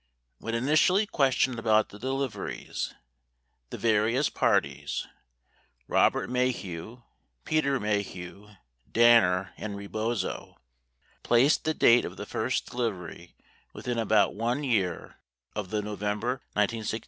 When initially questioned about the deliveries, the various parties — Robert Maheu, Peter Maheu, Danner, and Rebozo — placed the date of the first delivery within about 1 year of the November 1968 elec tion.